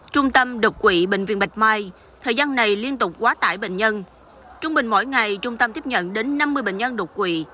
trung tâm đột quỵ bệnh viện bạch mai thời gian này liên tục quá tải bệnh nhân trung bình mỗi ngày trung tâm tiếp nhận đến năm mươi bệnh nhân đột quỵ